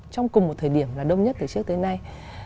trong cùng một thời điểm là đông nhất từ trước tới nay